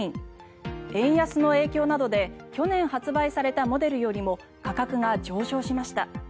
円安の影響などで去年発売されたモデルよりも価格が上昇しました。